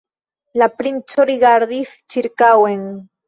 La princo rigardis ĉirkaŭen.